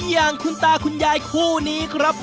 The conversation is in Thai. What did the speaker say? อย่างคุณตาคุณยายคู่นี้ครับ